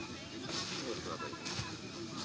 sini salam dulu